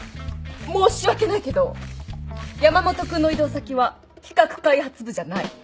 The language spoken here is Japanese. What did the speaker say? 申し訳ないけど山本君の異動先は企画開発部じゃない。